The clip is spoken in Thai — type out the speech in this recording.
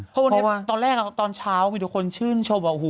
เพราะว่าตอนแรกตอนเช้ามีทุกคนชื่นชมว่า